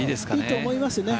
いいと思いますね。